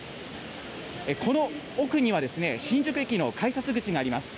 この奥にはですね、新宿駅の改札口があります。